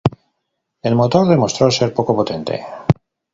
El motor demostró ser poco potente.